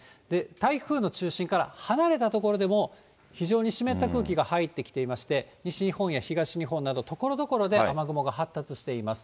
台風の中心から離れた所でも、非常に湿った空気が入ってきていまして、西日本や東日本など、ところどころで雨雲が発達しています。